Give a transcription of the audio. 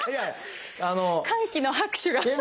歓喜の拍手が。